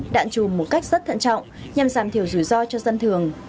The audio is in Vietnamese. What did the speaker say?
đạn chùm một cách rất thận trọng nhằm giảm thiểu rủi ro cho dân thường